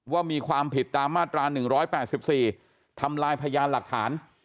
ว่ามีความผิดตามมาตรา๑๘๔ทำลายพยานหลักฐาน